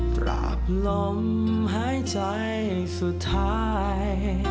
กราบลมหายใจสุดท้าย